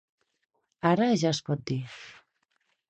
Ara ja es pot dir.